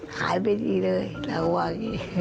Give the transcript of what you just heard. ถาดีไม่ดีเลยแล้วว่าอย่างนี้